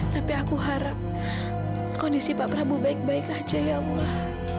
tapi aku harap kondisi pak prabu baik baik saja ya allah